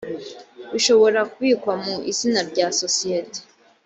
bishobora kubikwa mu izina rya sosiyete